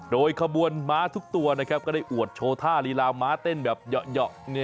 โดยขบวนม้าทุกตัวนะครับก็ได้อวดโชว์ท่าลีลาม้าเต้นแบบเหยาะ